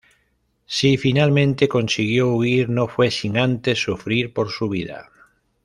Si finalmente consiguió huir, no fue sin antes sufrir por su vida.